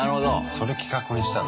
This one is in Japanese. それ企画にしたんだ。